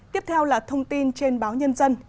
tiếp theo là thông tin trên báo nhân dân